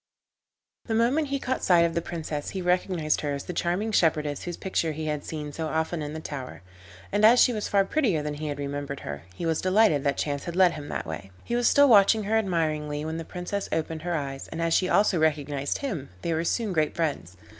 The moment he caught sight of the Princess he recognised her as the charming shepherdess whose picture he had seen so often in the tower, and as she was far prettier than he had remembered her, he was delighted that chance had led him that way. He was still watching her admiringly when the Princess opened her eyes, and as she also recognised him they were soon great friends.